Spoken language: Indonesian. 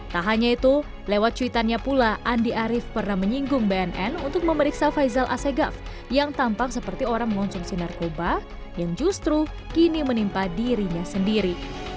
tak hanya itu lewat cuitannya pula andi arief pernah menyinggung bnn untuk memeriksa faisal asegaf yang tampak seperti orang mengonsumsi narkoba yang justru kini menimpa dirinya sendiri